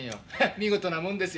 見事なもんですよ。